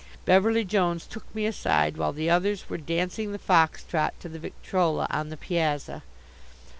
Beverly Jones took me aside while the others were dancing the fox trot to the victrola on the piazza.